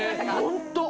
ホント！